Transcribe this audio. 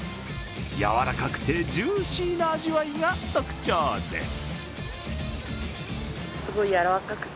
やわらかくて、ジューシーな味わいが特徴です。